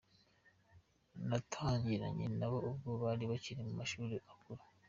Natangiranye nabo ubwo bari bakiri mu mashuri makuru.